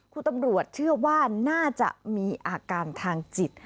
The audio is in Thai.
คุณตำรวจเชื่อว่าน่าจะมีอาการทางจิต